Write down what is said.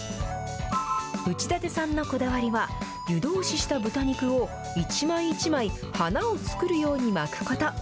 内館さんのこだわりは湯通しした豚肉を一枚一枚、花を作るように巻くこと。